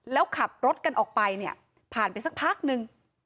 แล้วขับรถกันออกไปเนี่ยผ่านไปสักพักนึง